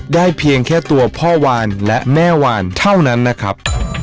เพียงแค่ตัวพ่อวานและแม่วานเท่านั้นนะครับ